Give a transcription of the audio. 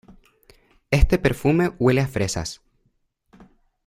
Este perfume huele a fresas